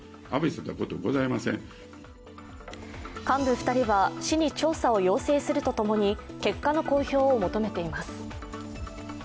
幹部２人は、市に調査を要請するとともに、結果の公表を求めています。